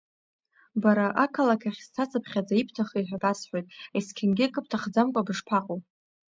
Бара, ақалақь ахь сцацыԥхьаӡа ибҭахи ҳа басҳәоит, есқьынгьы акы бҭахӡамкәа бышԥаҟоу?